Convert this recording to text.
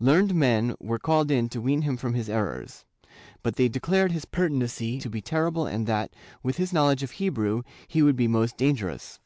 Learned men were called in to wean him from his errors, but they declared his pertinacity to be terrible and that, with his knowledge of Hebrew, he would be most dangerous.